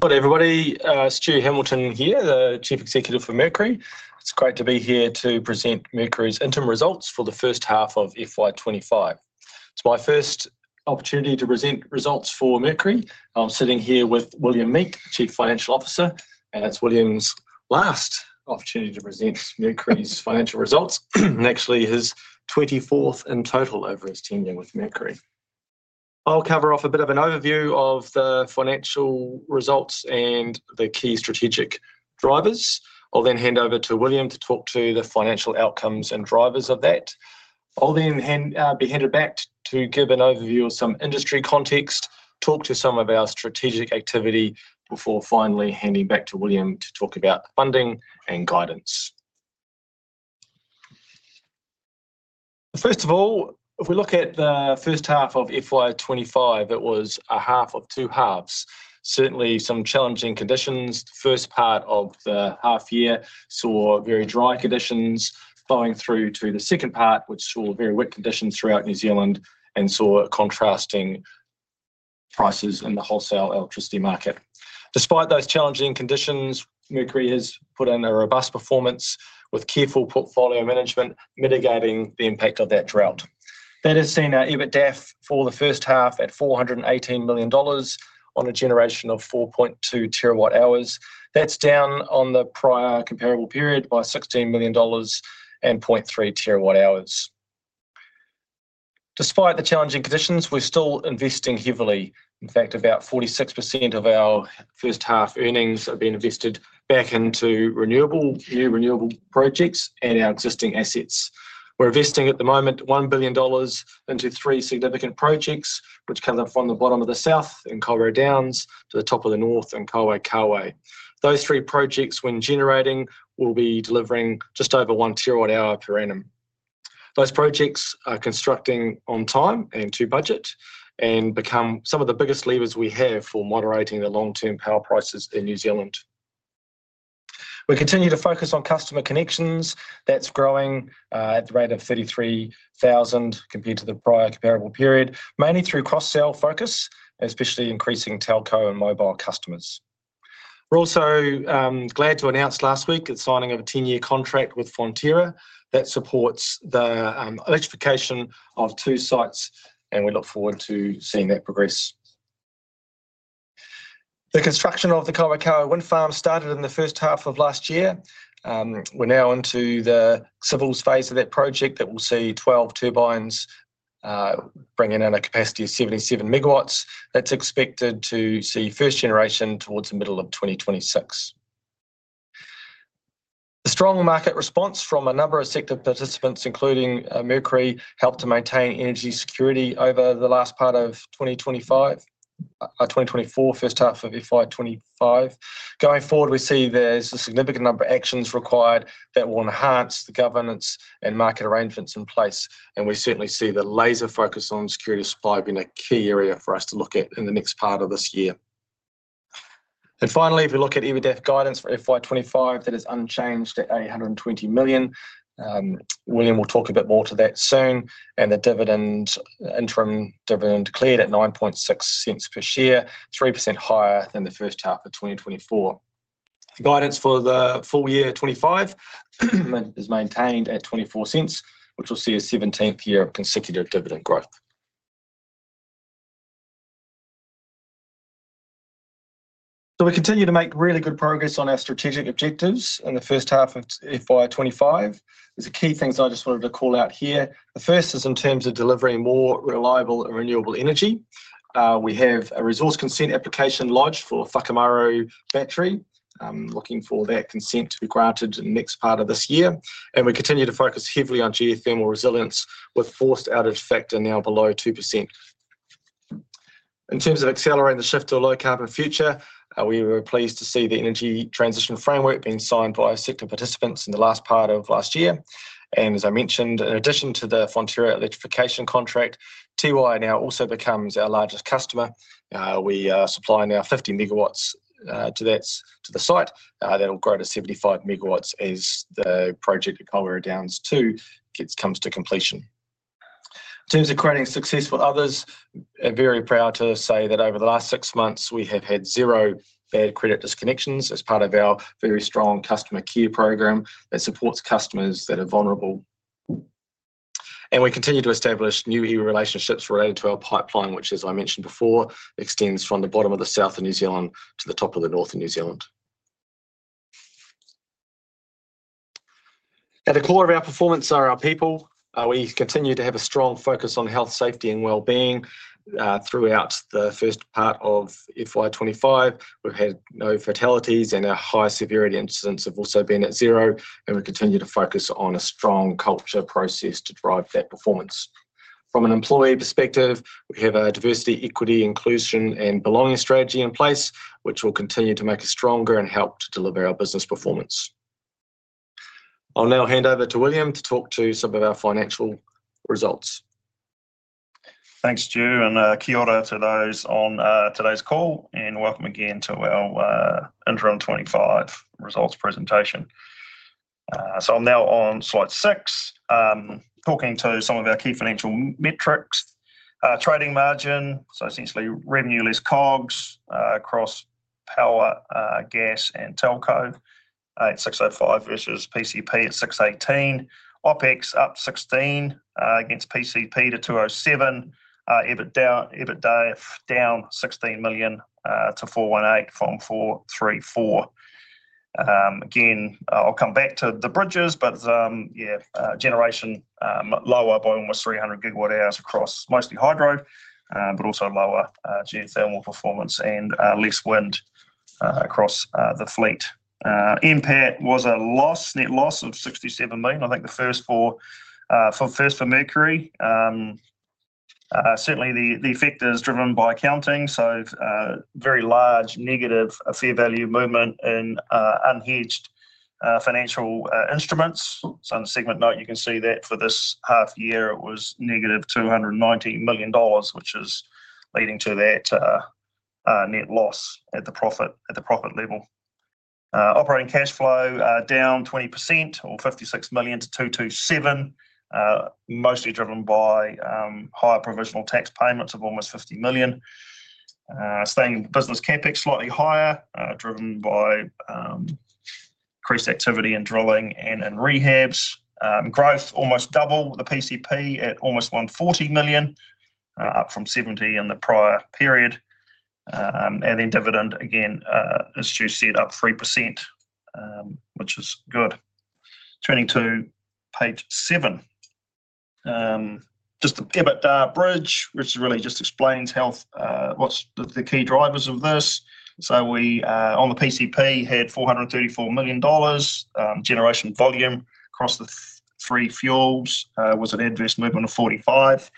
Good morning, everybody. Stew Hamilton here, the Chief Executive for Mercury. It's great to be here to present Mercury's interim results for the first half of FY 2025. It's my first opportunity to present results for Mercury. I'm sitting here with William Meek, Chief Financial Officer, and it's William's last opportunity to present Mercury's financial results, and actually his 24th in total over his tenure with Mercury. I'll cover off a bit of an overview of the financial results and the key strategic drivers. I'll then hand over to William to talk to the financial outcomes and drivers of that. I'll then be handed back to give an overview of some industry context, talk to some of our strategic activity before finally handing back to William to talk about funding and guidance. First of all, if we look at the first half of FY 2025, it was a half of two halves. Certainly some challenging conditions. The first part of the half year saw very dry conditions, going through to the second part, which saw very wet conditions throughout New Zealand and saw contrasting prices in the wholesale electricity market. Despite those challenging conditions, Mercury has put in a robust performance with careful portfolio management, mitigating the impact of that drought. That has seen our EBITDA for the first half at 418 million dollars on a generation of 4.2 TWh. That's down on the prior comparable period by 16 million dollars and 0.3 TWh. Despite the challenging conditions, we're still investing heavily. In fact, about 46% of our first half earnings have been invested back into new renewable projects and our existing assets. We're investing at the moment 1 billion dollars into three significant projects, which come from the bottom of the south in Kaiwera Downs to the top of the north in Kaiwaikawe. Those three projects, when generating, will be delivering just over one terawatt hour per annum. Those projects are constructing on time and to budget and become some of the biggest levers we have for moderating the long-term power prices in New Zealand. We continue to focus on customer connections. That's growing at the rate of 33,000 compared to the prior comparable period, mainly through cross-sale focus, especially increasing telco and mobile customers. We're also glad to announce last week the signing of a 10-year contract with Fonterra that supports the electrification of two sites, and we look forward to seeing that progress. The construction of the Kaiwaikawe wind farm started in the first half of last year. We're now into the civil phase of that project that will see 12 turbines bringing in a capacity of 77 MW. That's expected to see first generation towards the middle of 2026. A strong market response from a number of sector participants, including Mercury, helped to maintain energy security over the last part of 2024, first half of FY 2025. Going forward, we see there's a significant number of actions required that will enhance the governance and market arrangements in place, and we certainly see the laser focus on supply security being a key area for us to look at in the next part of this year. Finally, if we look at EBITDA guidance for FY 2025, that is unchanged at 120 million. William will talk a bit more to that soon, and the interim dividend declared at 9.6 cents per share, 3% higher than the first half of 2024. Guidance for the full year 2025 is maintained at 0.24, which will see a 17th year of consecutive dividend growth, so we continue to make really good progress on our strategic objectives in the first half of FY 2025. There's a key thing I just wanted to call out here. The first is in terms of delivering more reliable and renewable energy. We have a resource consent application lodged for Whakamaru Battery, looking for that consent to be granted in the next part of this year, and we continue to focus heavily on geothermal resilience with Forced Outage Factor now below 2%. In terms of accelerating the shift to a low carbon future, we were pleased to see the Energy Transition Framework being signed by our sector participants in the last part of last year. As I mentioned, in addition to the Fonterra electrification contract, Tiwai now also becomes our largest customer. We supply now 50 MW to the site. That will grow to 75 MW as the project at Kaiwera Downs 2 comes to completion. In terms of creating success for others, I'm very proud to say that over the last six months, we have had zero bad credit disconnections as part of our very strong customer care program that supports customers that are vulnerable. We continue to establish new relationships related to our pipeline, which, as I mentioned before, extends from the bottom of the South Island of New Zealand to the top of the North Island of New Zealand. At the core of our performance are our people. We continue to have a strong focus on health, safety, and well-being throughout the first part of FY 2025. We've had no fatalities, and our high severity incidents have also been at zero, and we continue to focus on a strong culture process to drive that performance. From an employee perspective, we have a diversity, equity, inclusion, and belonging strategy in place, which will continue to make us stronger and help to deliver our business performance. I'll now hand over to William to talk to some of our financial results. Thanks, Stew, and kia ora to those on today's call, and welcome again to our interim 2025 results presentation. So I'm now on Slide 6, talking to some of our key financial metrics. Trading margin, so essentially revenue-less COGS across power, gas, and telco at 605 million versus PCP at 618 million. OpEx up 16 million against PCP to 207 million. EBITDA down 16 million to 418 from 434 million. Again, I'll come back to the bridges, but yeah, generation lower by almost 300 GWh across mostly hydro, but also lower geothermal performance and less wind across the fleet. Impact was a net loss of 67 million, I think the first for Mercury. Certainly, the effect is driven by accounting, so very large negative fair value movement in unhedged financial instruments. So on the segment note, you can see that for this half year, it was -290 million dollars, which is leading to that net loss at the profit level. Operating cash flow down 20% or 56 million to 227 million, mostly driven by higher provisional tax payments of almost 50 million. Staying in business, CapEx slightly higher, driven by increased activity in drilling and in rehabs. Growth almost double the PCP at almost 140 million, up from 70 million in the prior period. And then dividend, again, as Stu said, up 3%, which is good. Turning to Page 7, just the EBITDA bridge, which really just explains what's the key drivers of this. So, on the PCP had 434 million dollars. Generation volume across the three fuels was an adverse movement of NZD 45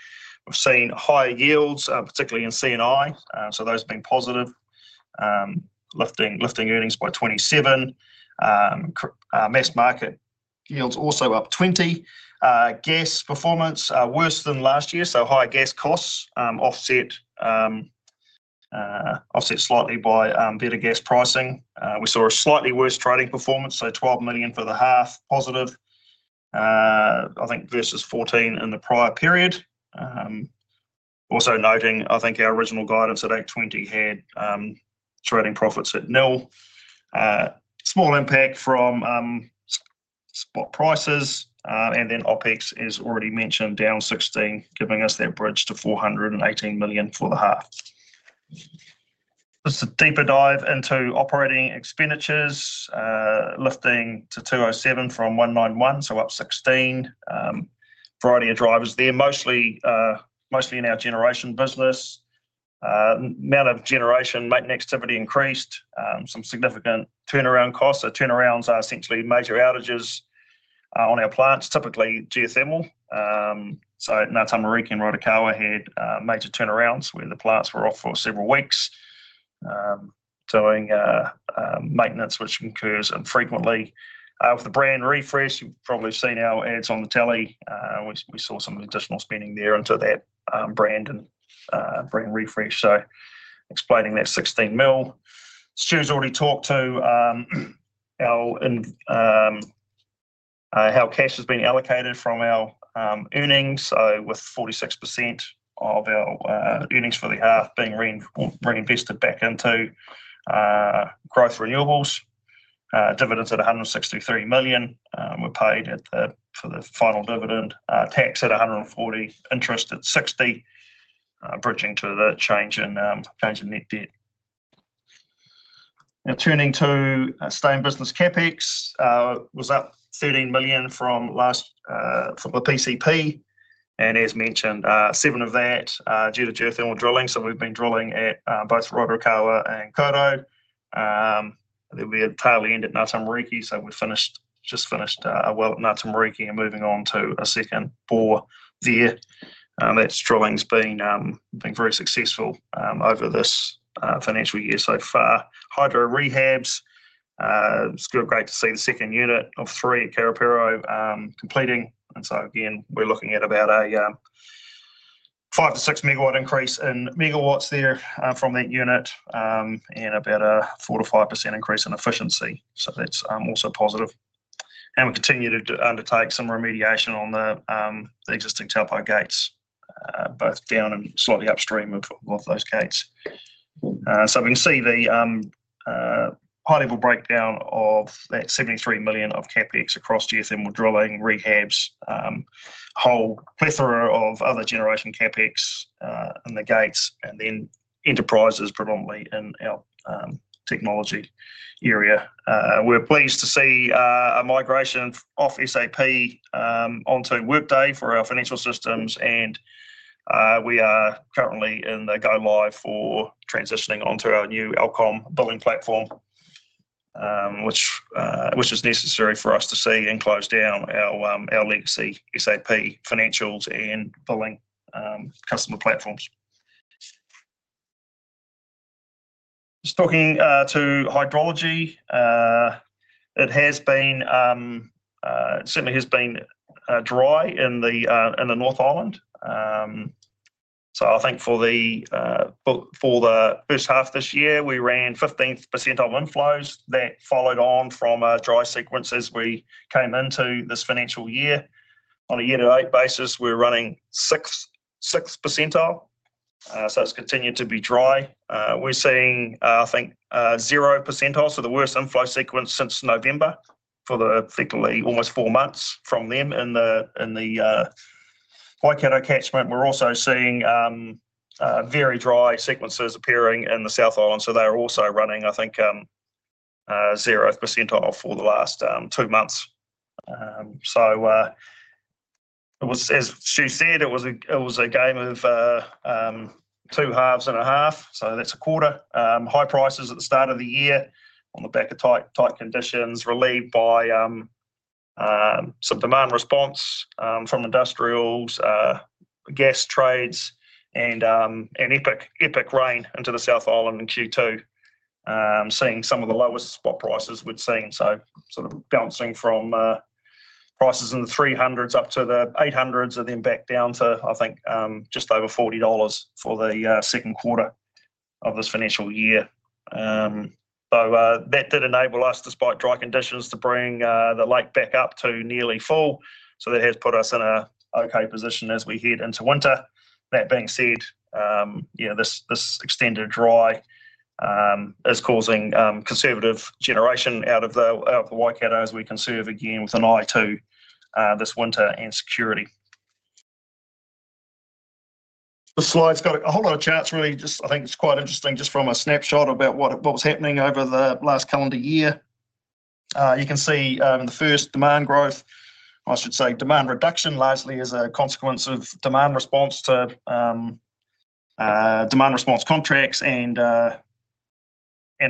million. We've seen higher yields, particularly in CNI, so those have been positive. Lifting earnings by 27 million. Mass market yields also up 20 million. Gas performance worse than last year, so higher gas costs offset slightly by better gas pricing. We saw a slightly worse trading performance, so 12 million for the half, positive, I think, versus 14 million in the prior period. Also noting, I think our original guidance at 820 million had trading profits at nil. Small impact from spot prices, and then OpEx, as already mentioned, down 16 million, giving us that bridge to 418 million for the half. Just a deeper dive into operating expenditures, lifting to 207 million from 191 million, so up 16 million. Variety of drivers there, mostly in our generation business. Amount of generation maintenance activity increased, some significant turnaround costs. So turnarounds are essentially major outages on our plants, typically geothermal. So Ngā Tamariki and Rotokawa had major turnarounds where the plants were off for several weeks, doing maintenance, which occurs infrequently. With the brand refresh, you've probably seen our ads on the telly. We saw some additional spending there into that brand and brand refresh, so explaining that 16 million. Stew's already talked to how cash has been allocated from our earnings, so with 46% of our earnings for the half being reinvested back into growth renewables. Dividends at 163 million. We prepaid for the final dividend tax at 140 million, interest at 60 million, bridging to the change in net debt. Now turning to stay-in-business CapEx was up 13 million from the PCP, and as mentioned, 7 million of that due to geothermal drilling. So we've been drilling at both Rotokawa and Kawerau. We had partly ended Ngā Tamariki, so we just finished a well at Ngā Tamariki and moving on to a second bore there. That drilling has been very successful over this financial year so far. Hydro rehabs. It's still great to see the second unit of three at Karapiro completing. And so again, we're looking at about a 5 MW-6 MW increase in megawatts there from that unit and about a 4%-5% increase in efficiency. So that's also positive. And we continue to undertake some remediation on the existing tailrace gates, both downstream and slightly upstream of those gates. So we can see the high-level breakdown of that 73 million of CapEx across geothermal drilling, rehabs, a whole plethora of other generation CapEx in the gates, and then enterprises predominantly in our technology area. We're pleased to see a migration off SAP onto Workday for our financial systems, and we are currently in the go-live for transitioning onto our new Elcom billing platform, which is necessary for us to see and close down our legacy SAP financials and billing customer platforms. Just talking to hydrology, it certainly has been dry in the North Island. So I think for the first half of this year, we ran 15th percentile inflows. That followed on from a dry sequence as we came into this financial year. On a year-to-date basis, we're running sixth percentile, so it's continued to be dry. We're seeing, I think, zero percentile, so the worst inflow sequence since November for the particularly almost four months from then in the Waikato catchment. We're also seeing very dry sequences appearing in the South Island, so they're also running, I think, zero percentile for the last two months. So as Stew said, it was a game of two halves and a half, so that's a quarter. High prices at the start of the year on the back of tight conditions relieved by some demand response from industrials, gas trades, and epic rain into the South Island in Q2, seeing some of the lowest spot prices we'd seen. So sort of bouncing from prices in the 300s up to the 800s and then back down to, I think, just over 40 dollars for the second quarter of this financial year. So that did enable us, despite dry conditions, to bring the lake back up to nearly full, so that has put us in an okay position as we head into winter. That being said, this extended dry is causing conservative generation out of the Waikato as we conserve again with an eye to this winter and security. The slide's got a whole lot of charts, really. Just, I think it's quite interesting just from a snapshot about what was happening over the last calendar year. You can see the first demand growth, I should say demand reduction largely as a consequence of demand response to demand response contracts and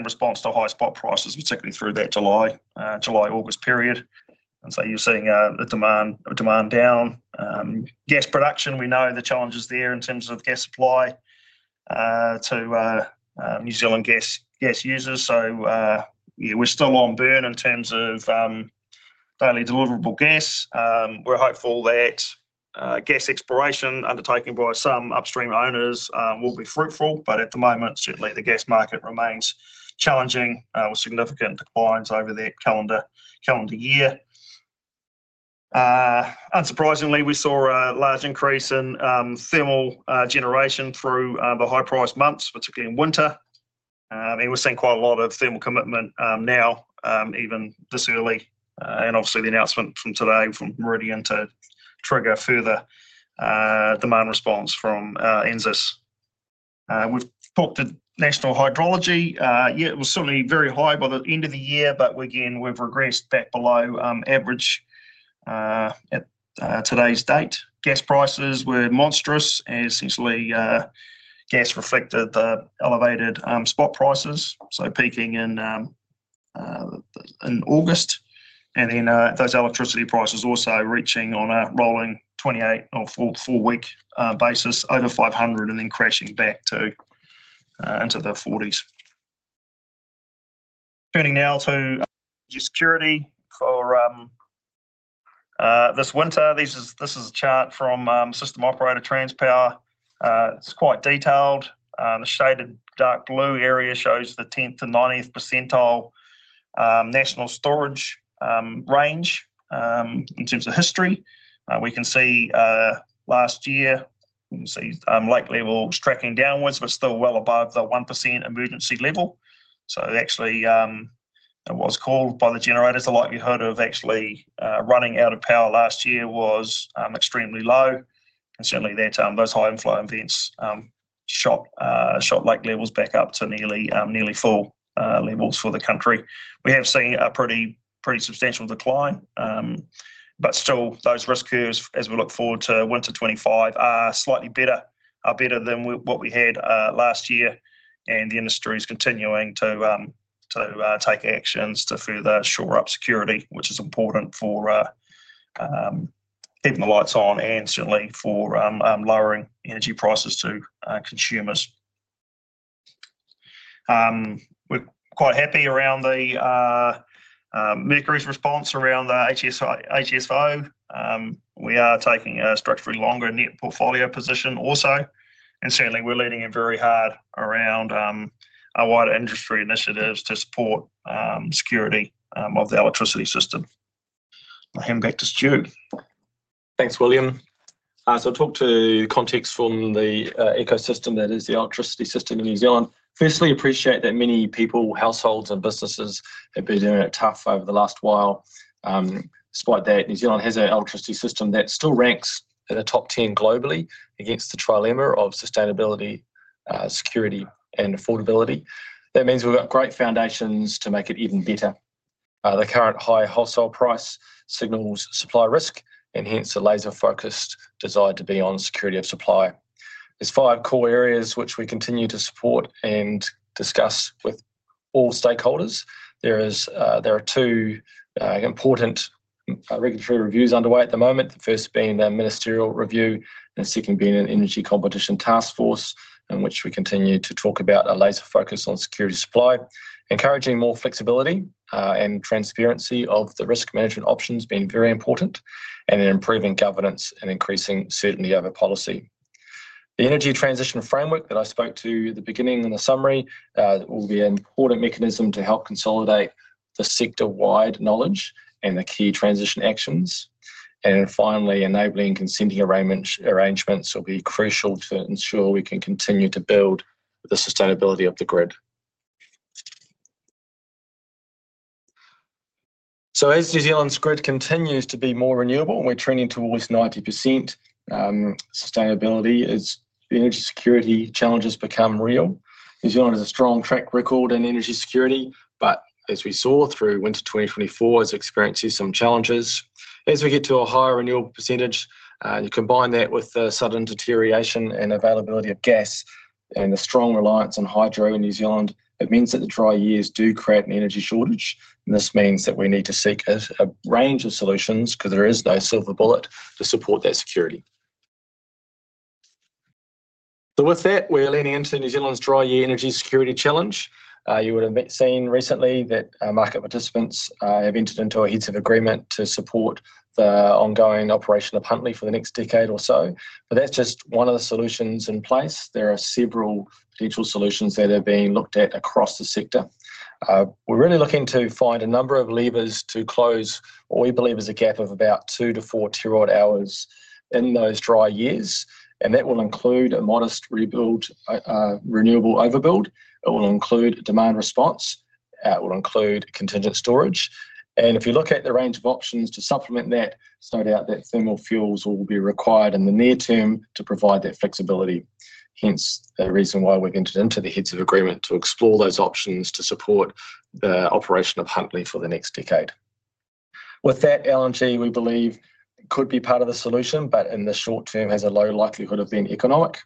response to high spot prices, particularly through that July-August period, and so you're seeing the demand down. Gas production, we know the challenges there in terms of gas supply to New Zealand gas users, so we're still on burn in terms of daily deliverable gas. We're hopeful that gas exploration undertaken by some upstream owners will be fruitful, but at the moment, certainly the gas market remains challenging with significant declines over that calendar year. Unsurprisingly, we saw a large increase in thermal generation through the high-priced months, particularly in winter. And we're seeing quite a lot of thermal commitment now, even this early, and obviously the announcement from today from Meridian to trigger further demand response from NZAS. We've talked to National Hydrology. Yeah, it was certainly very high by the end of the year, but again, we've regressed back below average at today's date. Gas prices were monstrous as essentially gas reflected the elevated spot prices, so peaking in August. And then those electricity prices also reaching on a rolling 28 or full week basis over 500 and then crashing back into the 40s. Turning now to security for this winter. This is a chart from System Operator Transpower. It's quite detailed. The shaded dark blue area shows the 10th to 90th percentile national storage range in terms of history. We can see last year, we can see lake level was tracking downwards, but still well above the 1% emergency level. So actually, it was called by the generators. The likelihood of actually running out of power last year was extremely low. And certainly, those high inflow events shot lake levels back up to nearly full levels for the country. We have seen a pretty substantial decline, but still, those risk curves, as we look forward to winter 2025, are slightly better, are better than what we had last year. And the industry is continuing to take actions to further shore up security, which is important for keeping the lights on and certainly for lowering energy prices to consumers. We're quite happy around the Mercury's response around the HSO. We are taking a structurally longer net portfolio position also. Certainly, we're leading it very hard around our wider industry initiatives to support security of the electricity system. I'll hand back to Stew. Thanks, William. I'll talk to context from the ecosystem that is the electricity system in New Zealand. Firstly, appreciate that many people, households, and businesses have been doing it tough over the last while. Despite that, New Zealand has an electricity system that still ranks at a top 10 globally against the trilemma of sustainability, security, and affordability. That means we've got great foundations to make it even better. The current high household price signals supply risk, and hence the laser-focused desire to be on security of supply. There's five core areas which we continue to support and discuss with all stakeholders. There are two important regulatory reviews underway at the moment, the first being the ministerial review and the second being an Energy Competition Task Force, in which we continue to talk about a laser focus on security of supply, encouraging more flexibility and transparency of the risk management options being very important, and then improving governance and increasing certainty of a policy. The Energy Transition Framework that I spoke to at the beginning in the summary will be an important mechanism to help consolidate the sector-wide knowledge and the key transition actions, and finally, enabling consenting arrangements will be crucial to ensure we can continue to build the sustainability of the grid. So as New Zealand's grid continues to be more renewable, we're trending towards 90% renewables as energy security challenges become real. New Zealand has a strong track record in energy security, but as we saw through winter 2024, it's experienced some challenges. As we get to a higher renewables percentage, you combine that with the sudden deterioration and availability of gas and the strong reliance on hydro in New Zealand. It means that the dry years do create an energy shortage, and this means that we need to seek a range of solutions because there is no silver bullet to support that security. So with that, we're leaning into New Zealand's dry year energy security challenge. You would have seen recently that market participants have entered into a heads of agreement to support the ongoing operation of Huntly for the next decade or so, but that's just one of the solutions in place. There are several potential solutions that are being looked at across the sector. We're really looking to find a number of levers to close what we believe is a gap of about 2 TWh-4 TWh in those dry years, and that will include a modest renewable overbuild. It will include demand response. It will include contingent storage, and if you look at the range of options to supplement that, no doubt that thermal fuels will be required in the near term to provide that flexibility. Hence the reason why we've entered into the Heads of Agreement to explore those options to support the operation of Huntly for the next decade. With that, LNG we believe could be part of the solution, but in the short term has a low likelihood of being economic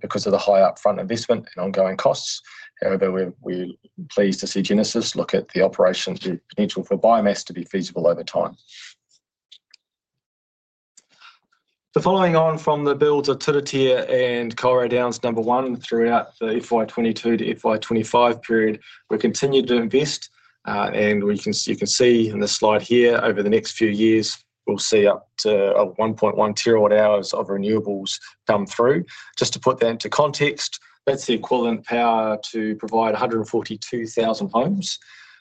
because of the high upfront investment and ongoing costs. However, we're pleased to see Genesis look at the operation's potential for biomass to be feasible over time. Following on from the builds of Turitea and Kaiwera Downs number one throughout the FY 2022 to FY 2025 period, we're continuing to invest. You can see in the slide here over the next few years, we'll see up to 1.1 TWh of renewables come through. Just to put that into context, that's the equivalent power to provide 142,000 homes.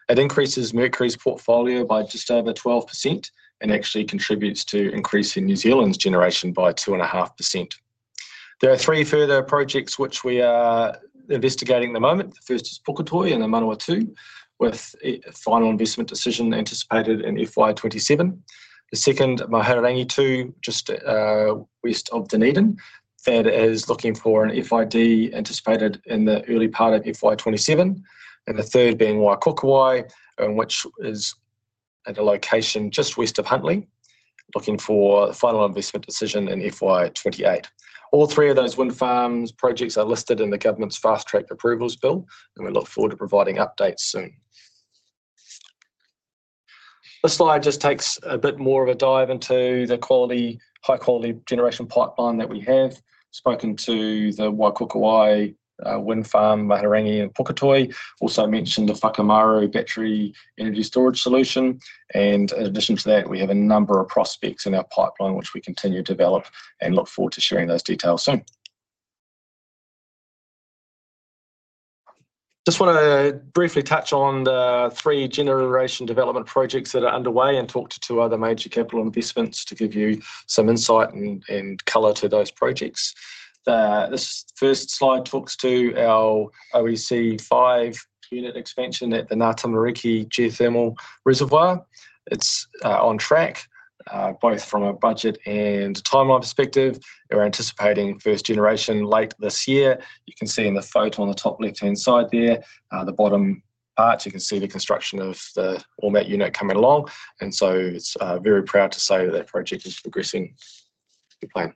It increases Mercury's portfolio by just over 12% and actually contributes to increasing New Zealand's generation by 2.5%. There are three further projects which we are investigating at the moment. The first is Puketoi and the Manawatū, with final investment decision anticipated in FY 2027. The second, Mahinerangi 2, just west of Dunedin, that is looking for an FID anticipated in the early part of FY 2027. The third being Waikokowai, which is at a location just west of Huntly, looking for final investment decision in FY 2028. All three of those wind farms projects are listed in the government's Fast-track Approvals Bill, and we look forward to providing updates soon. This slide just takes a bit more of a dive into the high-quality generation pipeline that we have. Spoken to the Waikokowai Wind Farm, Mahinerangi, and Puketoi. Also mentioned the Whakamaru Battery Energy Storage Solution. And in addition to that, we have a number of prospects in our pipeline which we continue to develop and look forward to sharing those details soon. Just want to briefly touch on the three generation development projects that are underway and talk to two other major capital investments to give you some insight and color to those projects. This first slide talks to our OEC 5 unit expansion at the Ngā Tamariki Geothermal Reservoir. It's on track, both from a budget and timeline perspective. We're anticipating first generation late this year. You can see in the photo on the top left-hand side there, the bottom part, you can see the construction of the Ormat unit coming along. And so I'm very proud to say that that project is progressing to plan.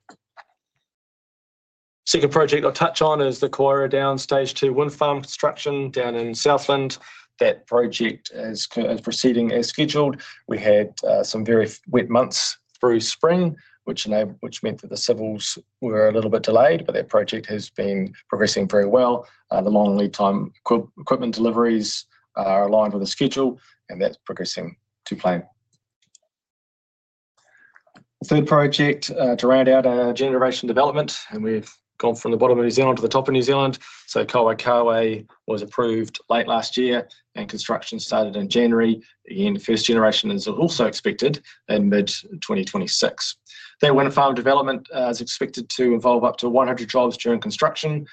Second project I'll touch on is the Kaiwera Downs Stage 2 Wind Farm construction down in Southland. That project is proceeding as scheduled. We had some very wet months through spring, which meant that the civils were a little bit delayed, but that project has been progressing very well. The long lead time equipment deliveries are aligned with the schedule, and that's progressing to plan. The third project to round out our generation development, and we've gone from the bottom of New Zealand to the top of New Zealand. So Kaiwaikawe was approved late last year, and construction started in January. Again, first generation is also expected in mid-2026. That wind farm development is expected to involve up to 100 jobs during construction,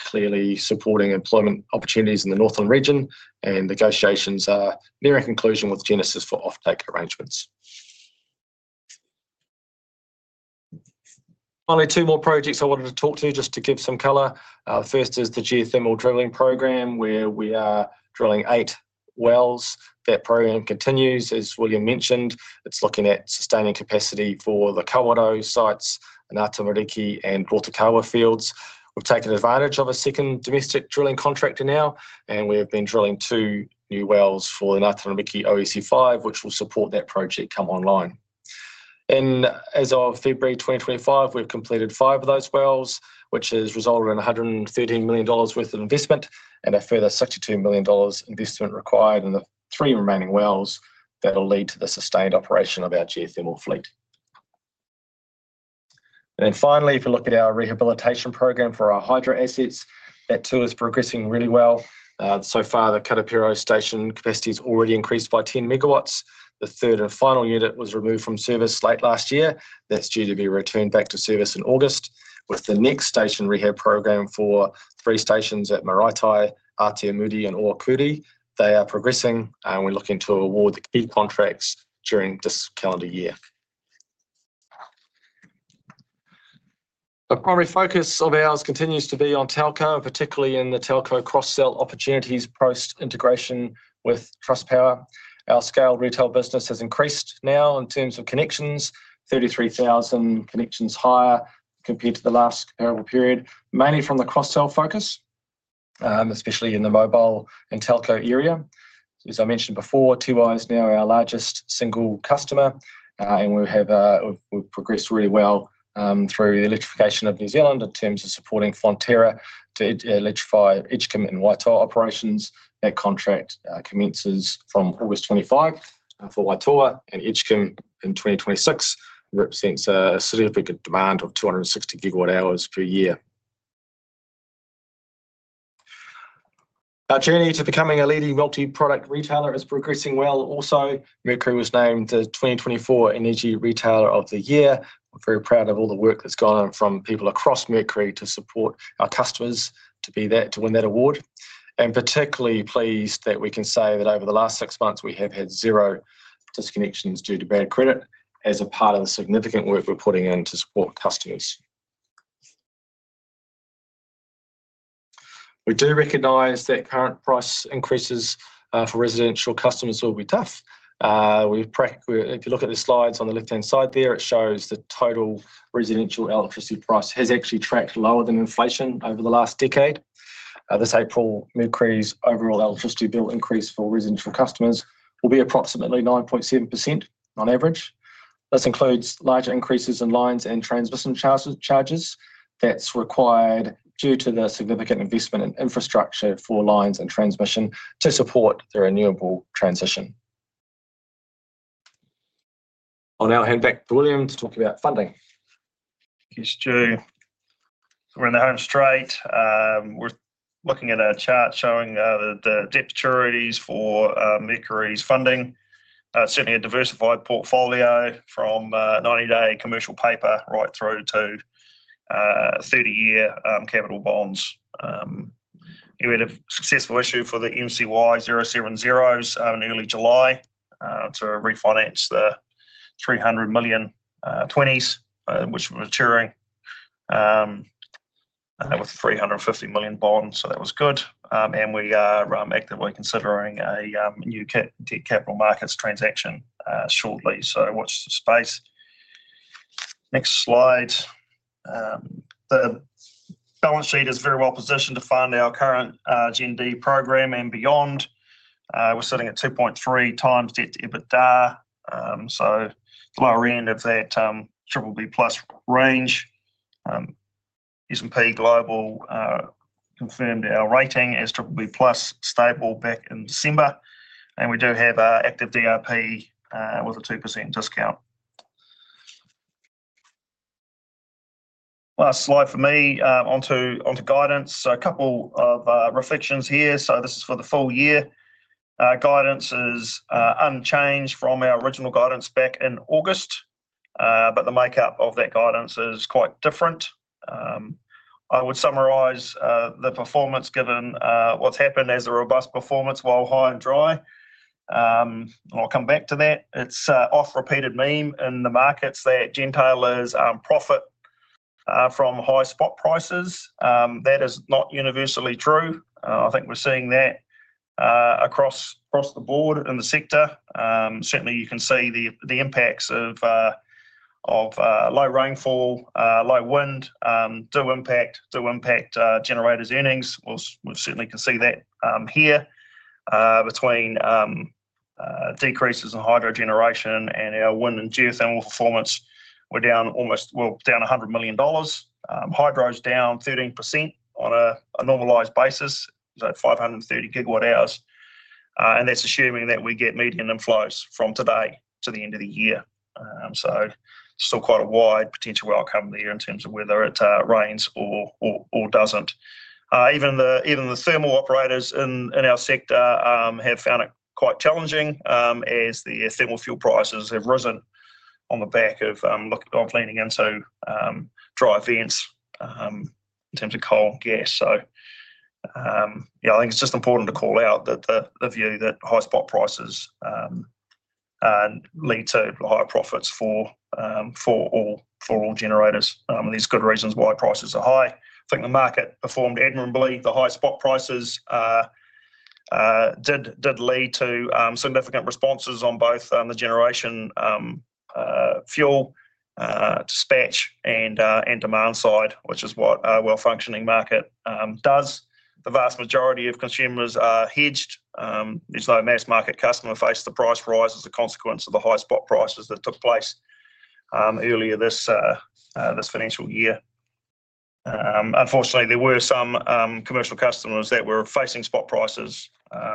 clearly supporting employment opportunities in the Northland region, and negotiations are nearing conclusion with Genesis for off-take arrangements. Finally, two more projects I wanted to talk to just to give some color. The first is the geothermal drilling program where we are drilling eight wells. That program continues, as William mentioned. It is looking at sustaining capacity for the Kawerau sites, Ngā Tamariki and Rotokawa fields. We have taken advantage of a second domestic drilling contractor now, and we have been drilling two new wells for the Ngā Tamariki OEC 5, which will support that project come online. And as of February 2025, we've completed five of those wells, which has resulted in $113 million worth of investment and a further 62 million dollars investment required in the three remaining wells that will lead to the sustained operation of our geothermal fleet. And then finally, if we look at our rehabilitation program for our hydro assets, that too is progressing really well. So far, the Karapiro station capacity has already increased by 10 MW. The third and final unit was removed from service late last year. That's due to be returned back to service in August, with the next station rehab program for three stations at Maraetai, Atiamuri, and Ohakuri. They are progressing, and we're looking to award the key contracts during this calendar year. The primary focus of ours continues to be on telco, particularly in the telco cross-sell opportunities post-integration with Trustpower. Our scale retail business has increased now in terms of connections, 33,000 connections higher compared to the last comparable period, mainly from the cross-sell focus, especially in the mobile and telco area. As I mentioned before, Tiwai is now our largest single customer, and we've progressed really well through the electrification of New Zealand in terms of supporting Fonterra to electrify Edgecumbe and Waitoa operations. That contract commences from August 25 for Waitoa and Edgecumbe in 2026. It represents a significant demand of 260 GWh per year. Our journey to becoming a leading multi-product retailer is progressing well. Also, Mercury was named the 2024 Energy Retailer of the Year. We're very proud of all the work that's gone on from people across Mercury to support our customers to win that award. And particularly pleased that we can say that over the last six months, we have had zero disconnections due to bad credit as a part of the significant work we're putting in to support customers. We do recognize that current price increases for residential customers will be tough. If you look at the slides on the left-hand side there, it shows the total residential electricity price has actually tracked lower than inflation over the last decade. This April, Mercury's overall electricity bill increase for residential customers will be approximately 9.7% on average. This includes larger increases in lines and transmission charges that's required due to the significant investment in infrastructure for lines and transmission to support the renewable transition. I'll now hand back to William to talk about funding. Thank you, Stew. We're in the home straight. We're looking at a chart showing the debt maturities for Mercury's funding. Certainly, a diversified portfolio from 90-day commercial paper right through to 30-year capital bonds. We had a successful issue for the MCY070s in early July to refinance the 300 million 20s, which were maturing with 350 million bonds. So that was good. And we are actively considering a new debt capital markets transaction shortly. So watch the space. Next slide. The balance sheet is very well positioned to fund our current Gen D program and beyond. We're sitting at 2.3x debt to EBITDA. So the lower end of that BBB+ range. S&P Global confirmed our rating as BBB+ stable back in December. And we do have active DRP with a 2% discount. Last slide for me onto guidance. So a couple of reflections here. So this is for the full year. Guidance is unchanged from our original guidance back in August, but the makeup of that guidance is quite different. I would summarize the performance given what's happened as a robust performance while high and dry, and I'll come back to that. It's an oft-repeated meme in the markets that gentailers profit from high spot prices. That is not universally true. I think we're seeing that across the board in the sector. Certainly, you can see the impacts of low rainfall, low wind, do impact generators' earnings. We certainly can see that here between decreases in hydro generation and our wind and geothermal performance. We're down almost, well, down 100 million dollars. Hydro's down 13% on a normalized basis, so 530 GWh, and that's assuming that we get median inflows from today to the end of the year. So still quite a wide potential outcome there in terms of whether it rains or doesn't. Even the thermal operators in our sector have found it quite challenging as the thermal fuel prices have risen on the back of leaning into dry years in terms of coal and gas. So yeah, I think it's just important to call out the view that high spot prices lead to higher profits for all generators. And there's good reasons why prices are high. I think the market performed admirably. The high spot prices did lead to significant responses on both the generation fuel dispatch and demand side, which is what a well-functioning market does. The vast majority of consumers are hedged. There's no mass market customers faced the price rise as a consequence of the high spot prices that took place earlier this financial year. Unfortunately, there were some commercial customers that were facing spot prices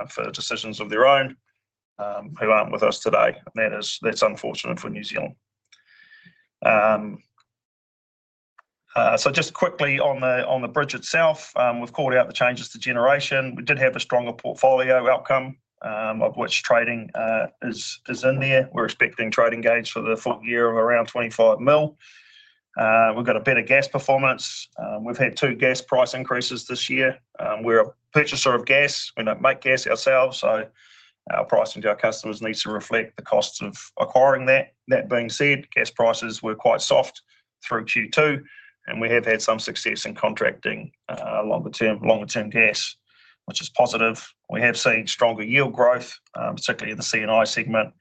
for decisions of their own who aren't with us today. That's unfortunate for New Zealand. So just quickly on the bridge itself, we've called out the changes to generation. We did have a stronger portfolio outcome of which trading is in there. We're expecting trading gains for the full year of around 25 million. We've got a better gas performance. We've had two gas price increases this year. We're a purchaser of gas. We don't make gas ourselves, so our pricing to our customers needs to reflect the costs of acquiring that. That being said, gas prices were quite soft through Q2, and we have had some success in contracting longer-term gas, which is positive. We have seen stronger yield growth, particularly in the C&I segment.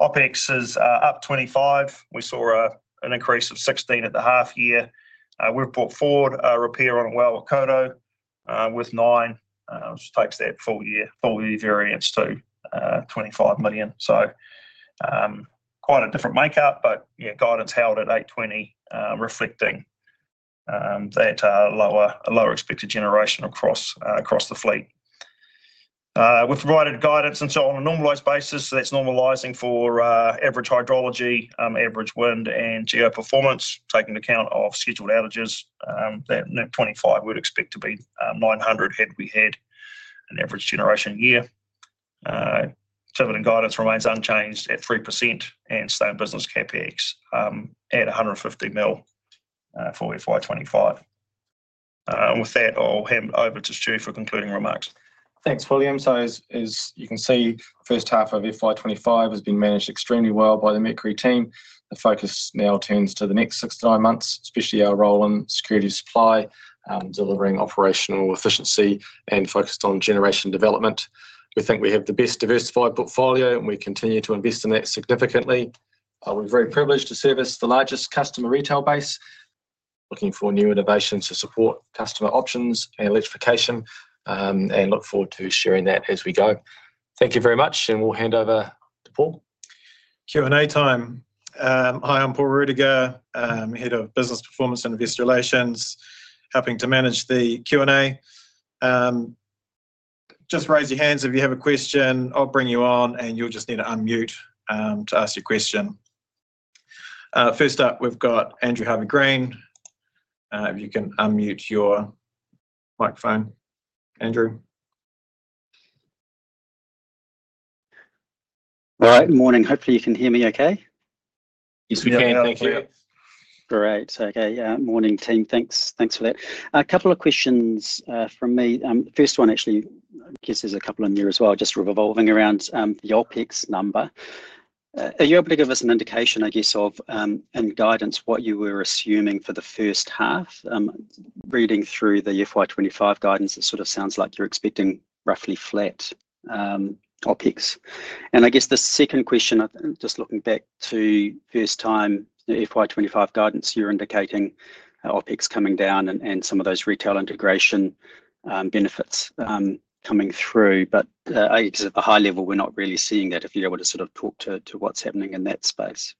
OpEx is up 25%. We saw an increase of 16 million at the half year. We've brought forward a repair on a well at Kawerau Well 9, which takes that full year variance to 25 million. So quite a different makeup, but guidance held at 820 million, reflecting that lower expected generation across the fleet. We've provided guidance on a normalized basis. That's normalizing for average hydrology, average wind, and geo performance, taking account of scheduled outages. That 25 million we'd expect to be 900 million had we had an average generation year. Thermal guidance remains unchanged at 3% and SIB Capex at 150 million for FY 2025. With that, I'll hand over to Stew for concluding remarks. Thanks, William. So as you can see, the first half of FY 2025 has been managed extremely well by the Mercury team. The focus now turns to the next six to nine months, especially our role in security supply, delivering operational efficiency and focused on generation development. We think we have the best diversified portfolio, and we continue to invest in that significantly. We're very privileged to service the largest customer retail base, looking for new innovations to support customer options and electrification, and look forward to sharing that as we go. Thank you very much, and we'll hand over to Paul. Q&A time. Hi, I'm Paul Ruediger, head of business performance and investor relations, helping to manage the Q&A. Just raise your hands if you have a question. I'll bring you on, and you'll just need to unmute to ask your question. First up, we've got Andrew Harvey-Green. If you can unmute your microphone, Andrew. All right, morning. Hopefully, you can hear me okay. Yes, we can. Thank you. Great. Okay. Yeah, morning team. Thanks for that. A couple of questions from me. The first one, actually, I guess there's a couple in there as well, just revolving around the OpEx number. Are you able to give us an indication, I guess, of, and guidance, what you were assuming for the first half? Reading through the FY 2025 guidance, it sort of sounds like you're expecting roughly flat OpEx. And I guess the second question, just looking back to first time FY 2025 guidance, you're indicating OpEx coming down and some of those retail integration benefits coming through. But I guess at the high level, we're not really seeing that if you're able to sort of talk to what's happening in that space.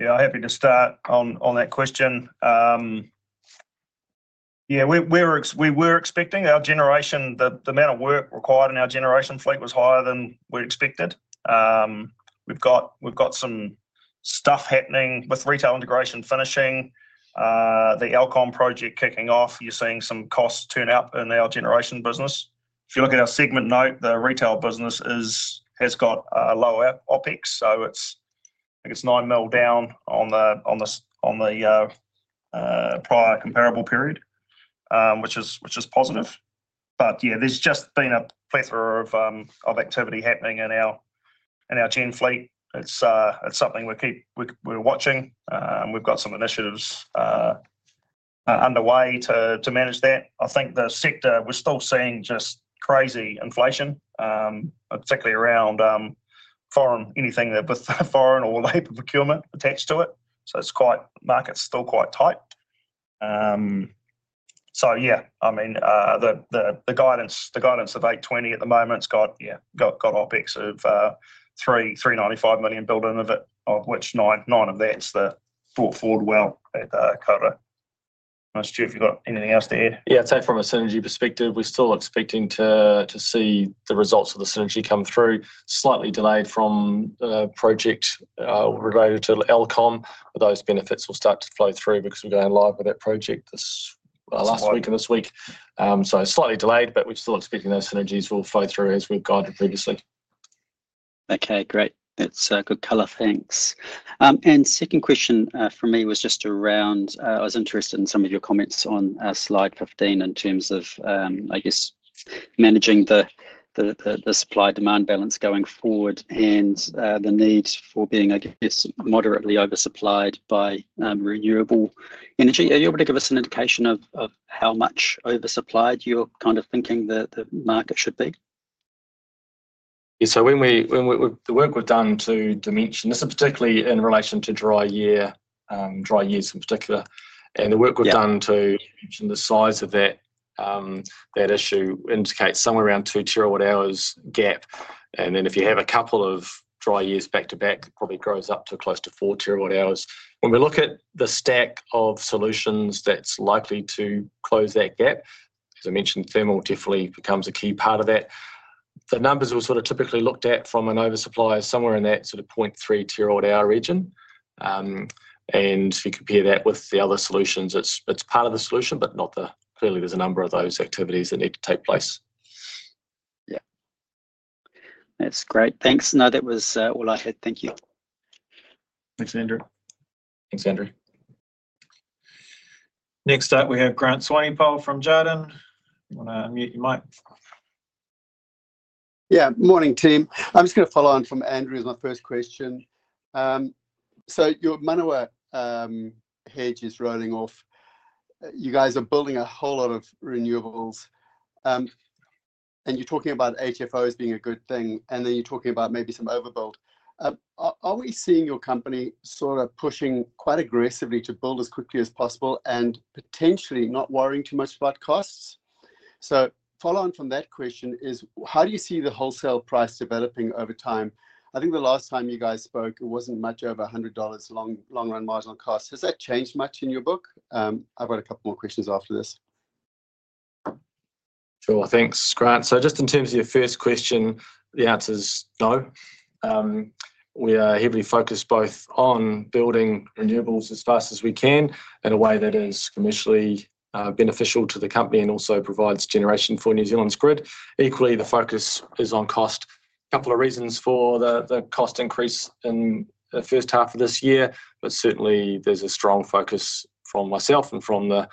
Yeah, I'm happy to start on that question. Yeah, we were expecting our generation, the amount of work required in our generation fleet was higher than we expected. We've got some stuff happening with retail integration finishing, the Elcon project kicking off. You're seeing some costs turn up in our generation business. If you look at our segment note, the retail business has got lower OpEx. So I think it's 9 million down on the prior comparable period, which is positive. But yeah, there's just been a plethora of activity happening in our gen fleet. It's something we're watching. We've got some initiatives underway to manage that. I think the sector, we're still seeing just crazy inflation, particularly around anything with foreign or labor procurement attached to it. So market's still quite tight. So yeah, I mean, the guidance of 820 million at the moment's got OpEx of 395 million built in of it, of which 9 million of that's brought forward well at Kawerau. I don'r know Stew, if you've got anything else to add. Yeah, I'd say from a synergy perspective, we're still expecting to see the results of the synergy come through. Slightly delayed from the project related to Elcon. Those benefits will start to flow through because we're going live with that project last week and this week. So slightly delayed, but we're still expecting those synergies will flow through as we've guided previously. Okay, great. That's good color. Thanks. And second question for me was just around, I was interested in some of your comments on Slide 15 in terms of, I guess, managing the supply-demand balance going forward and the need for being, I guess, moderately oversupplied by renewable energy. Are you able to give us an indication of how much oversupplied you're kind of thinking the market should be? Yeah, so the work we've done to dimension, this is particularly in relation to dry years, in particular. And the work we've done to dimension the size of that issue indicates somewhere around 2 TWh gap. And then if you have a couple of dry years back to back, it probably grows up to close to 4 TWh. When we look at the stack of solutions that's likely to close that gap, as I mentioned, thermal definitely becomes a key part of that. The numbers were sort of typically looked at from an oversupply somewhere in that sort of 0.3 TWh region. And if you compare that with the other solutions, it's part of the solution, but not the clearly, there's a number of those activities that need to take place. Yeah. That's great. Thanks. No, that was all I had. Thank you. Thanks, Andrew. Thanks, Andrew. Next up, we have Grant Swanepoel from Jarden. You want to unmute your mic? Yeah, morning, team. I'm just going to follow on from Andrew as my first question. So your Manawa hedge is rolling off. You guys are building a whole lot of renewables, and you're talking about HFOs being a good thing, and then you're talking about maybe some overbuild. Are we seeing your company sort of pushing quite aggressively to build as quickly as possible and potentially not worrying too much about costs? So following from that question is, how do you see the wholesale price developing over time? I think the last time you guys spoke, it wasn't much over 100 dollars long-run marginal cost. Has that changed much in your book? I've got a couple more questions after this. Sure, thanks, Grant. So just in terms of your first question, the answer is no. We are heavily focused both on building renewables as fast as we can in a way that is commercially beneficial to the company and also provides generation for New Zealand's grid. Equally, the focus is on cost. A couple of reasons for the cost increase in the first half of this year, but certainly there's a strong focus from myself and from the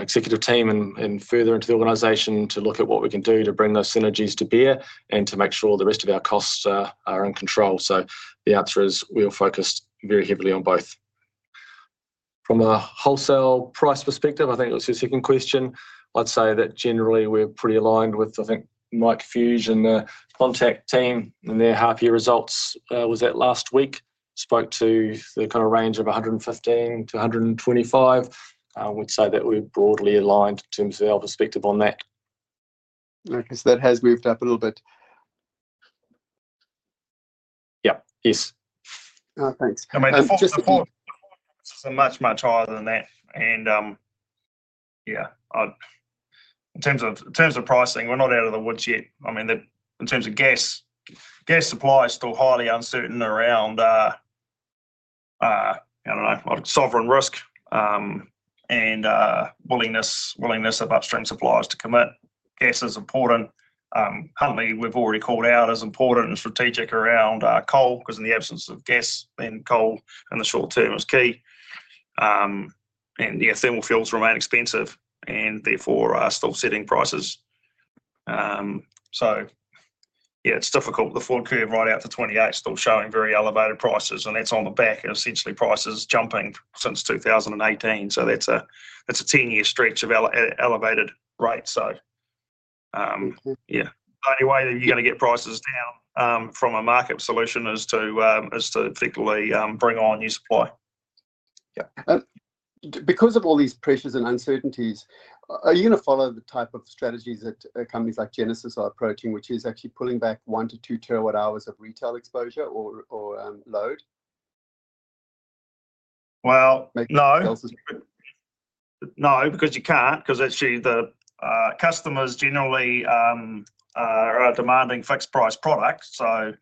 executive team and further into the organization to look at what we can do to bring those synergies to bear and to make sure the rest of our costs are in control. So the answer is we're focused very heavily on both. From a wholesale price perspective, I think it was your second question. I'd say that generally we're pretty aligned with, I think, Mike Fuge and the Contact team and their half-year results, that was last week. Spoke to the kind of range of 115-125. I would say that we're broadly aligned in terms of our perspective on that. Okay, so that has moved up a little bit. Yep, yes. Thanks. I mean, the forward prices are much, much higher than that. And yeah, in terms of pricing, we're not out of the woods yet. I mean, in terms of gas, gas supply is still highly uncertain around, I don't know, sovereign risk and willingness of upstream suppliers to commit. Gas is important. Currently, we've already called out as important and strategic around coal because in the absence of gas, then coal in the short term is key. And yeah, thermal fuels remain expensive and therefore are still setting prices. So yeah, it's difficult. The forward curve right out to 2028 is still showing very elevated prices, and that's on the back of essentially prices jumping since 2018. So that's a 10-year stretch of elevated rates. So yeah, the only way that you're going to get prices down from a market solution is to effectively bring on new supply. Yeah. Because of all these pressures and uncertainties, are you going to follow the type of strategies that companies like Genesis are approaching, which is actually pulling back 1 TWh-2 TWh of retail exposure or load? No. No, because you can't, because actually the customers generally are demanding fixed-price products. So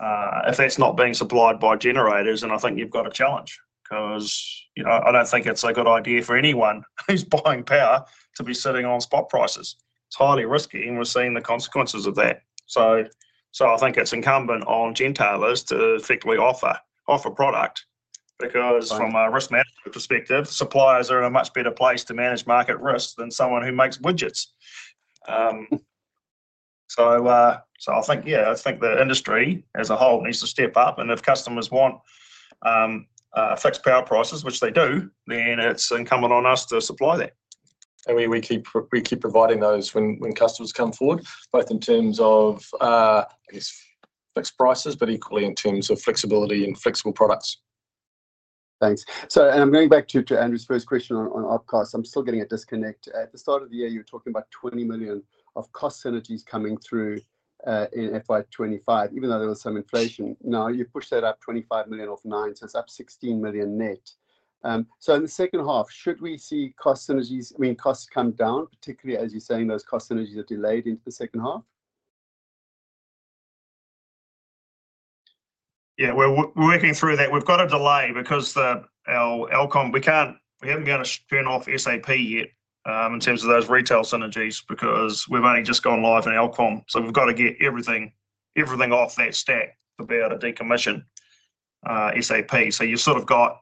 if that's not being supplied by generators, then I think you've got a challenge because I don't think it's a good idea for anyone who's buying power to be sitting on spot prices. It's highly risky, and we're seeing the consequences of that. So I think it's incumbent on gentailers to effectively offer product because from a risk management perspective, suppliers are in a much better place to manage market risk than someone who makes widgets. So I think, yeah, I think the industry as a whole needs to step up. And if customers want fixed power prices, which they do, then it's incumbent on us to supply that. And we keep providing those when customers come forward, both in terms of, I guess, fixed prices, but equally in terms of flexibility and flexible products. Thanks. And I'm going back to Andrew's first question on OpCos. I'm still getting a disconnect. At the start of the year, you were talking about 20 million of cost synergies coming through in FY 2025, even though there was some inflation. Now you've pushed that up 25 million off nine, so it's up 16 million net. So in the second half, should we see cost synergies, I mean, costs come down, particularly as you're saying those cost synergies are delayed into the second half? Yeah, we're working through that. We've got a delay because of Elcon we haven't been able to turn off SAP yet in terms of those retail synergies because we've only just gone live in Elcon. So we've got to get everything off that stack to be able to decommission SAP. So you've sort of got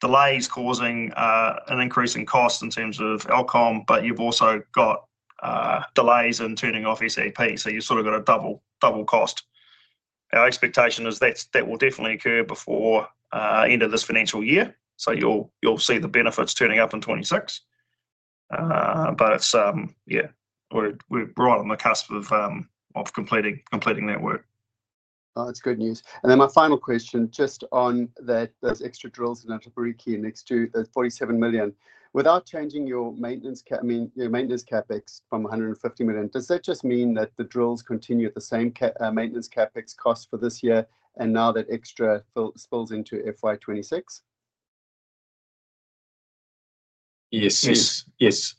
delays causing an increase in cost in terms of Elcon, but you've also got delays in turning off SAP. So you've sort of got a double cost. Our expectation is that will definitely occur before the end of this financial year. So you'll see the benefits turning up in 2026.But yeah, we're right on the cusp of completing that work. That's good news. And then my final question, just on those extra drills in Tamariki and next to those 47 million. Without changing your maintenance CapEx from 150 million, does that just mean that the drills continue at the same maintenance CapEx cost for this year and now that extra spills into FY 2026? Yes, yes.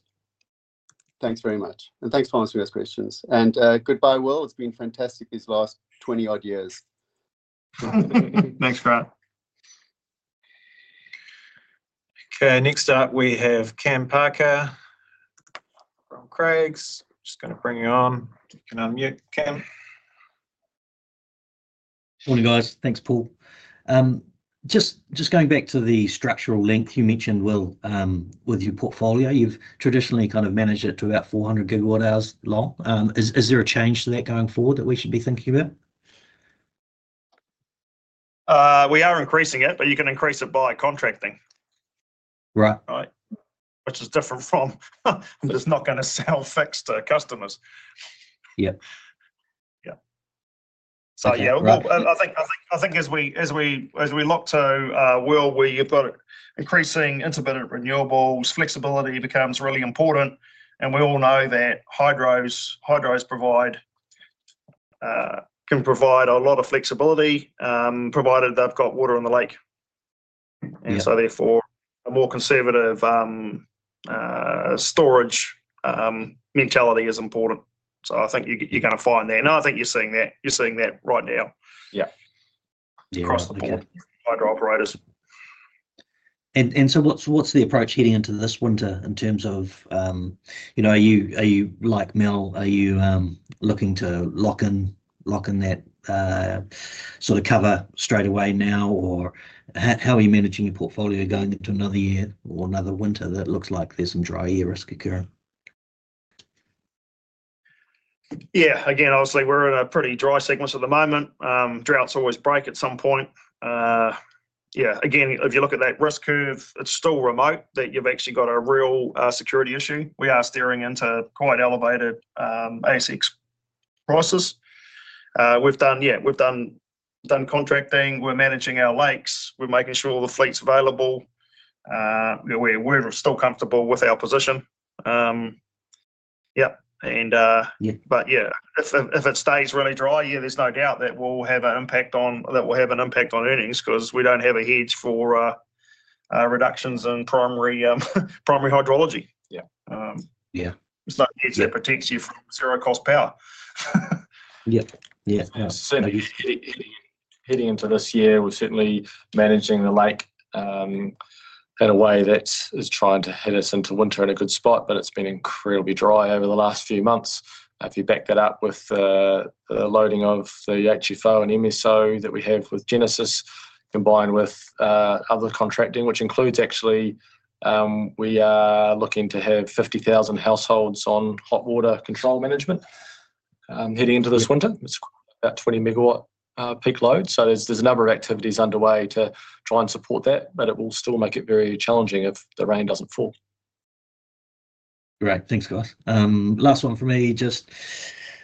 Thanks very much. And thanks for answering those questions. And goodbye, Will. It's been fantastic these last 20-odd years. Thanks, Grant. Okay, next up, we have Cam Parker from Craigs. I'm just going to bring you on. You can unmute, Cam. Morning, guys. Thanks, Paul. Just going back to the structural length you mentioned, Will, with your portfolio, you've traditionally kind of managed it to about 400 GWh long. Is there a change to that going forward that we should be thinking about? We are increasing it, but you can increase it by contracting, which is different from I'm just not going to sell fixed to customers. Yeah. Yeah. So yeah, I think as we look to Will, where you've got increasing intermittent renewables, flexibility becomes really important. And we all know that hydros can provide a lot of flexibility, provided they've got water in the lake. And so therefore, a more conservative storage mentality is important. So I think you're going to find that. And I think you're seeing that. You're seeing that right now across the board with hydro operators. What's the approach heading into this winter in terms of, are you like MEL, are you looking to lock in that sort of cover straight away now, or how are you managing your portfolio going into another year or another winter that looks like there's some Dry Year risk occurring? Yeah. Again, obviously, we're in a pretty dry sequence at the moment. Droughts always break at some point. Yeah. Again, if you look at that risk curve, it's still remote that you've actually got a real security issue. We are steering into quite elevated spot prices. Yeah, we've done contracting. We're managing our lakes. We're making sure the fleet's available. We're still comfortable with our position. Yeah. But yeah, if it stays really dry, yeah, there's no doubt that we'll have an impact on earnings because we don't have a hedge for reductions in primary hydrology. There's no hedge that protects you from zero-cost power. So heading into this year, we're certainly managing the lake in a way that is trying to head us into winter in a good spot, but it's been incredibly dry over the last few months. If you back that up with the loading of the HFO and MSO that we have with Genesis, combined with other contracting, which includes, actually, we are looking to have 50,000 households on hot water control management heading into this winter. It's about 20 MW peak load. So there's a number of activities underway to try and support that, but it will still make it very challenging if the rain doesn't fall. Great. Thanks, guys. Last one for me. Just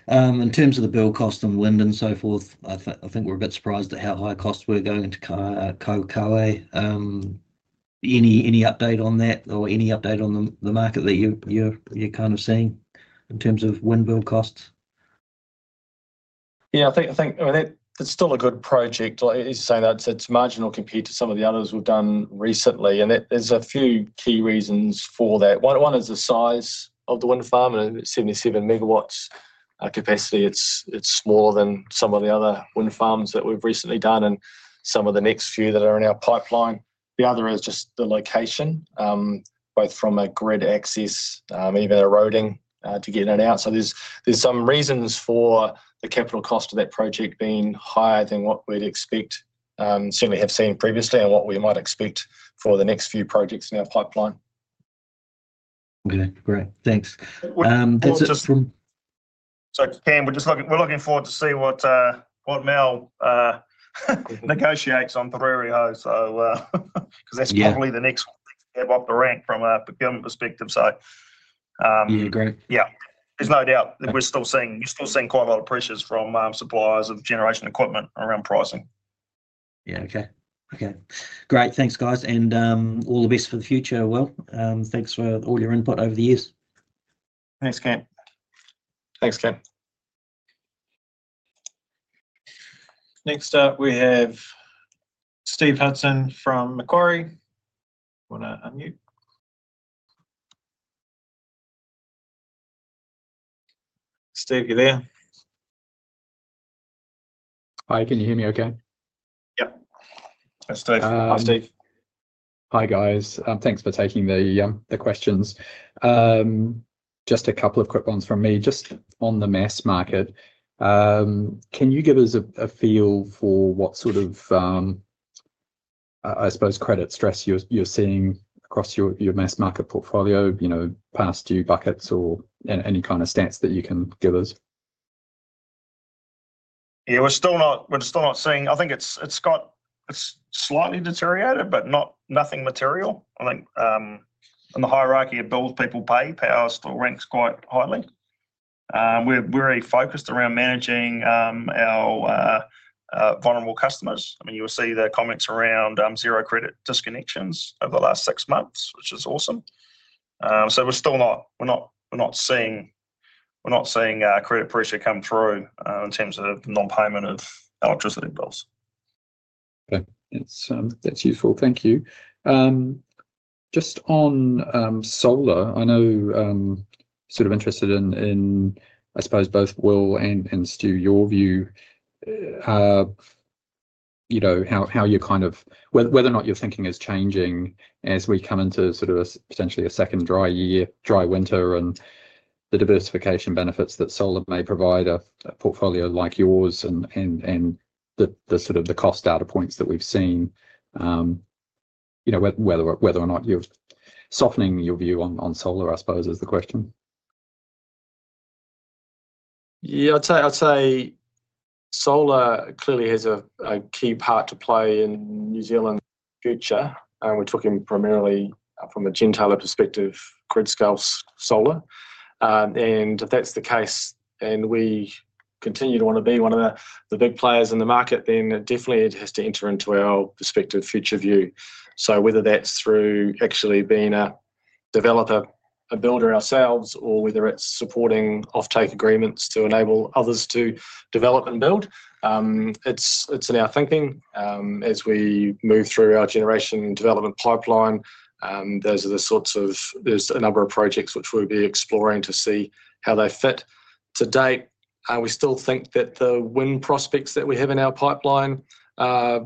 in terms of the build costs on wind and so forth, I think we're a bit surprised at how high costs we're going to Kaiwaikawe. Any update on that or any update on the market that you're kind of seeing in terms of wind build costs? Yeah, I think that's still a good project. As you say, that's marginal compared to some of the others we've done recently. And there's a few key reasons for that. One is the size of the wind farm. At 77 MW capacity, it's smaller than some of the other wind farms that we've recently done and some of the next few that are in our pipeline. The other is just the location, both from a grid access, even a roading to getting it out. So there's some reasons for the capital cost of that project being higher than what we'd expect, certainly have seen previously, and what we might expect for the next few projects in our pipeline. Okay. Great. Thanks. So Cam, we're just looking forward to see what MEL negotiates on Puketoi because that's probably the next thing to have up the rank from a procurement perspective. So yeah, there's no doubt that we're still seeing quite a lot of pressures from suppliers of generation equipment around pricing. Yeah. Okay. Okay. Great. Thanks, guys. And all the best for the future, Will. Thanks for all your input over the years. Thanks, Cam. Thanks, Cam. Next up, we have Steve Hudson from Macquarie. You want to unmute? Steve, you there? Hi. Can you hear me okay? Yep. Hi, Steve. Hi, Steve. Hi, guys. Thanks for taking the questions. Just a couple of quick ones from me. Just on the mass market, can you give us a feel for what sort of, I suppose, credit stress you're seeing across your mass market portfolio, past due buckets or any kind of stats that you can give us? Yeah, we're still not seeing. I think it's slightly deteriorated, but nothing material. I think in the hierarchy of bills, people pay, power still ranks quite highly. We're very focused around managing our vulnerable customers. I mean, you'll see the comments around zero-credit disconnections over the last six months, which is awesome. So we're still not seeing credit pressure come through in terms of non-payment of electricity bills. Okay. That's useful. Thank you. Just on solar, I know sort of interested in, I suppose, both Will and Stew, your view, how you're kind of whether or not your thinking is changing as we come into sort of potentially a second dry year, dry winter, and the diversification benefits that solar may provide a portfolio like yours and the sort of the cost data points that we've seen, whether or not you're softening your view on solar, I suppose, is the question. Yeah. I'd say solar clearly has a key part to play in New Zealand's future. And we're talking primarily from a gentailer perspective, grid-scale solar. And if that's the case and we continue to want to be one of the big players in the market, then definitely it has to enter into our prospective future view. So whether that's through actually being a developer, a builder ourselves, or whether it's supporting offtake agreements to enable others to develop and build, it's in our thinking. As we move through our generation development pipeline, those are the sorts of things. There's a number of projects which we'll be exploring to see how they fit. To date, we still think that the wind prospects that we have in our pipeline are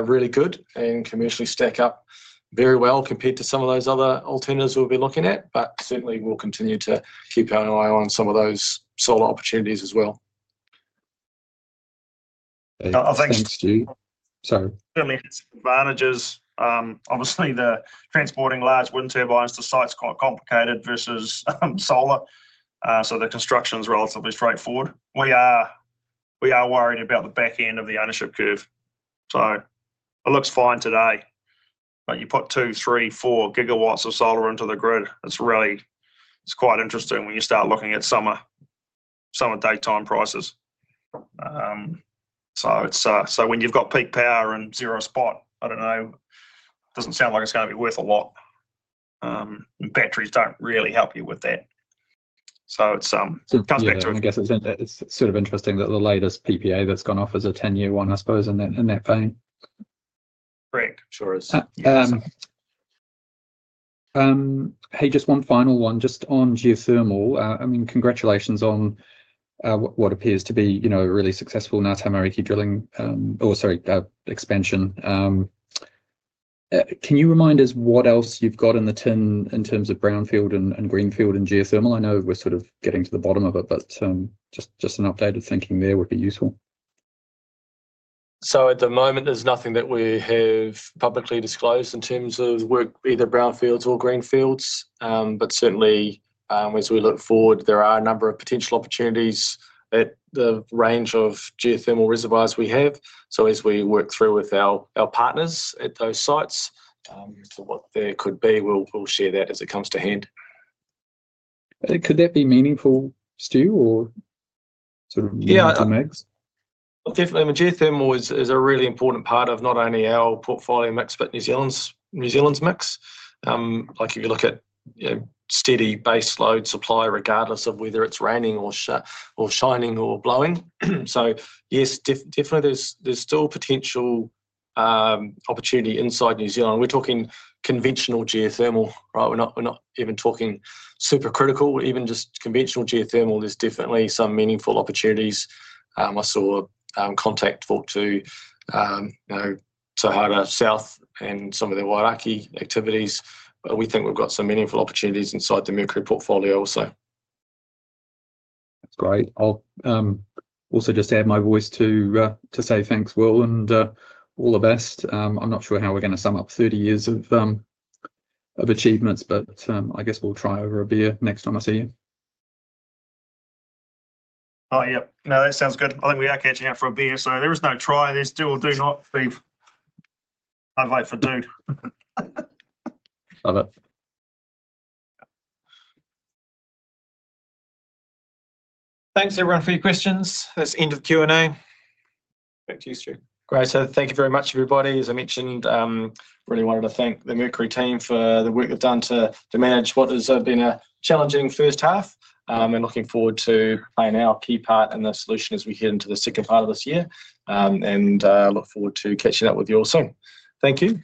really good and can actually stack up very well compared to some of those other alternatives we'll be looking at. But certainly, we'll continue to keep an eye on some of those solar opportunities as well. Thanks, Stew. Sorry. Certainly, its advantages. Obviously, transporting large wind turbines to sites is quite complicated versus solar. So the construction is relatively straightforward. We are worried about the back end of the ownership curve. So it looks fine today. But you put 2 GW, 3 GW, 4 GW of solar into the grid. It's quite interesting when you start looking at summer daytime prices. So when you've got peak power and zero spot, I don't know, it doesn't sound like it's going to be worth a lot. And batteries don't really help you with that. So it comes back to it. I guess it's sort of interesting that the latest PPA that's gone off is a 10-year one, I suppose, in that vein. Correct. Sure is. Hey, just one final one. Just on geothermal, I mean, congratulations on what appears to be a really successful Ngā Tamariki drilling or, sorry, expansion. Can you remind us what else you've got in the tank in terms of brownfield and greenfield and geothermal? I know we're sort of getting to the bottom of it, but just an updated thinking there would be useful. At the moment, there's nothing that we have publicly disclosed in terms of either brownfields or greenfields. But certainly, as we look forward, there are a number of potential opportunities at the range of geothermal reservoirs we have. So as we work through with our partners at those sites, what there could be, we'll share that as it comes to hand. Could that be meaningful, Stew, or sort of mix? Definitely. I mean, geothermal is a really important part of not only our portfolio mix but New Zealand's mix. If you look at steady base load supply, regardless of whether it's raining or shining or blowing. So yes, definitely, there's still potential opportunity inside New Zealand. We're talking conventional geothermal, right? We're not even talking supercritical. Even just conventional geothermal, there's definitely some meaningful opportunities. I saw Contact talk to Tauhara South and some of their Wairākei activities. But we think we've got some meaningful opportunities inside the Mercury portfolio also. That's great. I'll also just add my voice to say thanks, Will, and all the best. I'm not sure how we're going to sum up 30 years of achievements, but I guess we'll try over a beer next time I see you. Oh, yeah. No, that sounds good. I think we are catching up for a beer. So there is no try. There's do or do not. I vote for do. Love it. Thanks, everyone, for your questions. That's the end of the Q&A. Back to you, Stew. Great. So thank you very much, everybody. As I mentioned, I really wanted to thank the Mercury team for the work they've done to manage what has been a challenging first half. I'm looking forward to playing our key part in the solution as we head into the second part of this year. And I look forward to catching up with you all soon. Thank you.